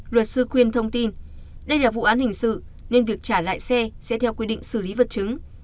luật sư quyên thông tin đây là vụ án hình sự nên việc trả lại xe sẽ theo quy định xử lý vật chứng